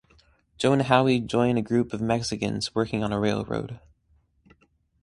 Joe and Howie join a group of Mexicans working on a railroad.